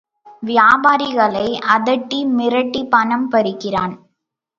வியாபாரிகளை அதட்டி மிரட்டிப்பணம் பறிக்கிறான்.